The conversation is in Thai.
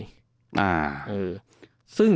อ่าทวยรวมแสดงผ่านขายขึ้น